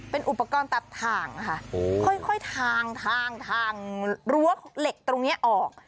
เป็นอุปกรณ์ตัดทางค่ะค่อยทางทางรั้วเหล็กตรงนี้ออก